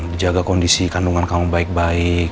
dijaga kondisi kandungan kamu baik baik